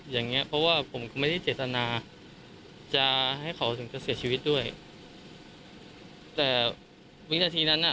อย่างเงี้ยเพราะว่าผมก็ไม่ได้เจตนาจะให้เขาถึงจะเสียชีวิตด้วยแต่วินาทีนั้นอ่ะ